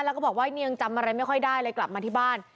แล้วก็บอกว่าเนี่ยยังจำอะไรไม่ค่อยได้เลยกลับมาที่บ้าน